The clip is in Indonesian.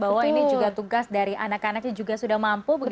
bahwa ini juga tugas dari anak anaknya juga sudah mampu